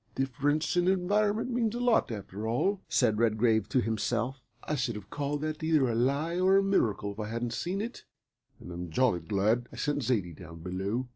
"Difference of environment means a lot, after all," said Redgrave to himself. "I should have called that either a lie or a miracle if I hadn't seen it, and I'm jolly glad I sent Zaidie down below."